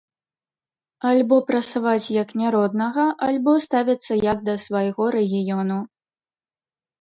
Альбо прасаваць як не роднага, альбо ставіцца як да свайго рэгіёну.